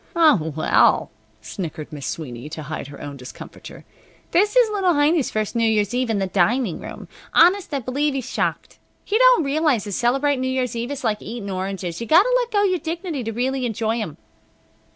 "Oh, well," snickered Miss Sweeney, to hide her own discomfiture, "this is little Heiny's first New Year's Eve in the dining room. Honest, I b'lieve he's shocked. He don't realize that celebratin' New Year's Eve is like eatin' oranges. You got to let go your dignity t' really enjoy 'em."